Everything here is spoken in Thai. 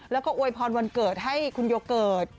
แล้วก็อวยพรวันเกิดให้คุณโยเกิร์ต